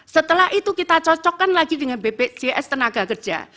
setelah itu kita cocokkan lagi dengan bpjs tenaga kerja